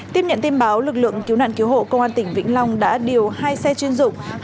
tiếp nhận tin báo lực lượng cứu nạn cứu hộ công an tỉnh vĩnh long đã điều hai xe chuyên dụng